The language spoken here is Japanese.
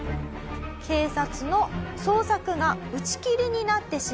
警察の捜索が打ち切りになってしまうんです。